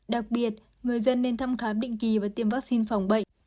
đặc biệt người dân nên thăm khám định kỳ và tiêm vaccine phòng bệnh